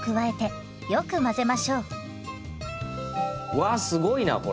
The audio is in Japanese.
わすごいなこれ！